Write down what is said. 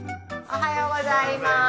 おはようございます。